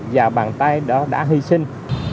và bàn tay đó đã hy sinh